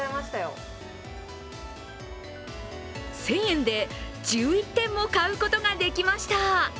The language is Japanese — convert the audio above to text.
１０００円で１１点も買うことができました。